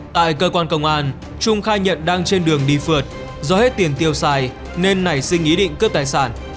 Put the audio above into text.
tại cơ quan công an trung khai nhận đang trên đường đi phượt do hết tiền tiêu xài nên nảy sinh ý định cướp tài sản